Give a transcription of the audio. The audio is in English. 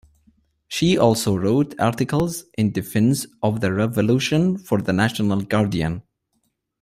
She also wrote articles in defense of the Revolution for the National Guardian.